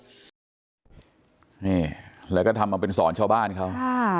นี่แล้วก็ทำมาเป็นสอนชาวบ้านเขา